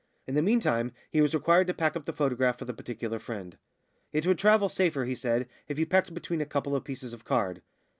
In the meantime he was required to pack up the photograph for the particular friend. "It would travel safer," he said, "if you packed it between a couple of pieces of card."